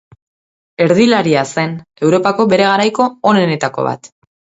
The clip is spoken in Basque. Erdilaria zen, Europako bere garaiko onenetako bat.